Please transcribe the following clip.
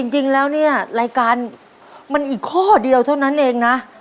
จริงแล้วเนี่ยรายการมันอีกข้อเดียวเท่านั้นเองนะ